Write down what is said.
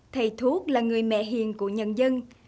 thầy thuốc là người mẹ hiền của nhân dân